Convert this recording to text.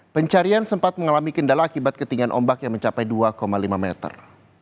pencarian sempat mengalami kendala akibat ketinggian ombak yang mencapai dua lima meter